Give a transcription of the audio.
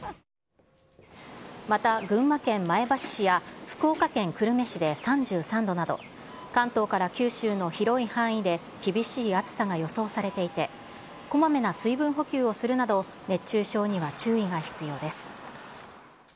また群馬県前橋市や、福岡県久留米市で３３度など、関東から九州の広い範囲で、厳しい暑さが予想されていて、こまめな水分補給をするなど、熱中症には注意が必要です。